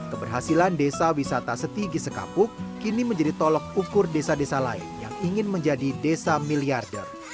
keberhasilan desa wisata setigi sekapuk kini menjadi tolok ukur desa desa lain yang ingin menjadi desa miliarder